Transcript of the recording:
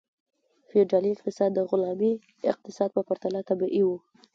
فیوډالي اقتصاد د غلامي اقتصاد په پرتله طبیعي و.